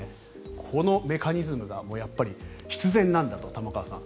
このメカニズムがやっぱり必然なんだと玉川さん